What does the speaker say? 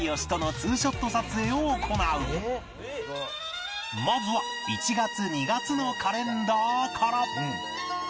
有吉とのまずは１月２月のカレンダーから